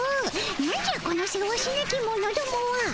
なんじゃこのせわしなき者どもは。